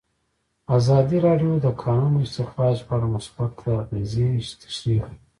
ازادي راډیو د د کانونو استخراج په اړه مثبت اغېزې تشریح کړي.